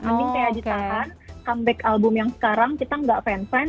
mending kayak di tangan comeback album yang sekarang kita nggak fansign